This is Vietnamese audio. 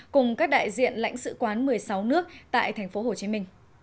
cùng các đại diện lãnh sự quán một mươi sáu nước tại tp hcm